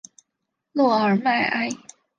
洛尔迈埃。